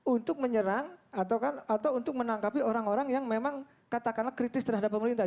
untuk menyerang atau untuk menangkapi orang orang yang memang katakanlah kritis terhadap pemerintah